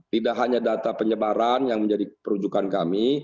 tidak hanya data penyebaran yang menjadi perujukan kami